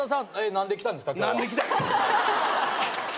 「何で来た」？